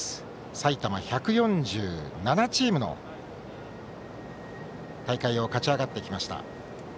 埼玉１４７チームの大会を勝ち上がってきました。